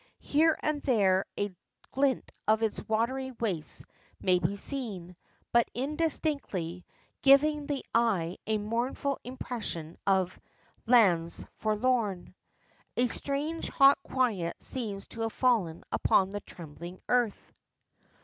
Here and there a glint of its watery wastes may be seen, but indistinctly, giving the eye a mournful impression of "lands forlorn." A strange hot quiet seems to have fallen upon the trembling earth.